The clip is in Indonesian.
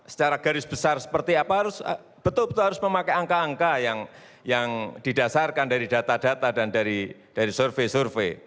secara garis besar seperti apa harus betul betul harus memakai angka angka yang didasarkan dari data data dan dari survei survei